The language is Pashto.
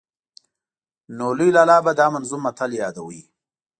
نو لوی لالا به دا منظوم متل ياداوه.